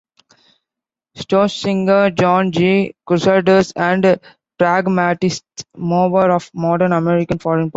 Stoessinger, John G. Crusaders and Pragmatists: Movers of Modern American Foreign Policy.